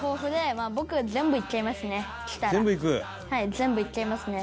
全部行っちゃいますね」